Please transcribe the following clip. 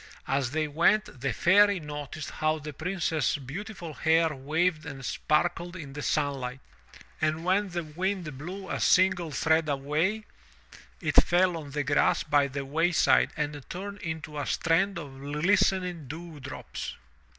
As they went, the Fairy noticed how the Princess's beautiful hair waved and sparkled in the sunlight, and when the wind blew a single thread away, it fell on the grass by the wayside and turned into a strand of glistening dew drops.